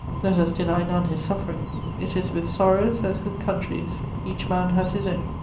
Let us deny none his sufferings; it is with sorrows as with countries: each man has his own.